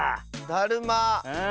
だるま。